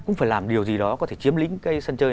cũng phải làm điều gì đó có thể chiếm lĩnh cái sân chơi